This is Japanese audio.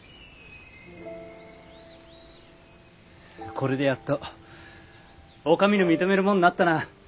これでやっとお上の認めるモンになったな。